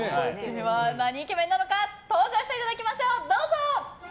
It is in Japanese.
では、なにイケメンなのか登場していただきましょう！